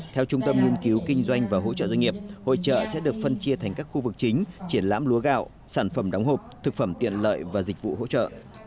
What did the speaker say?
theo trung tâm nghiên cứu kinh doanh và hỗ trợ doanh nghiệp hội trợ sẽ được phân chia thành các khu vực chính triển lãm lúa gạo sản phẩm đóng hộp thực phẩm tiện lợi và dịch vụ hỗ trợ